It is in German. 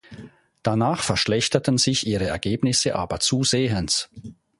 Danach verschlechterten sich ihre Ergebnisse aber zusehends.